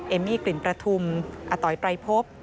เอมมี่กลิ่นประถุมอตอยปรัยพบ